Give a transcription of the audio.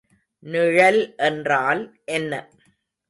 நிழல் என்றால் என்ன?